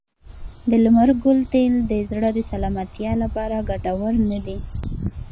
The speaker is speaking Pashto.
د لمر ګل تېل د زړه د سلامتیا لپاره ګټور نه دي.